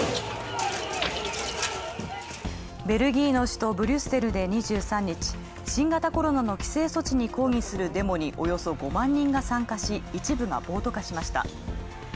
ベルギーの首都ブリュッセルで２３日、新型コロナの規制措置に抗議するデモにおよそ５万人が参加し、一部が暴徒化しました。